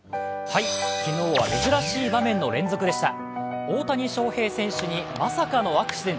昨日は珍しい場面の連続でした。